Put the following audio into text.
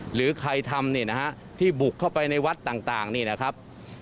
หรือใครทำเนี่ยนะฮะที่บุกเข้าไปในวัดต่างนี่นะครับ